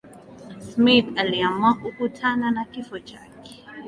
smith aliamua kukutana na kifo chake